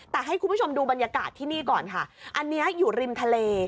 แต่ให้คุณผู้ชมดูบรรยากาศที่นี่ก่อนค่ะอันนี้อยู่ริมทะเล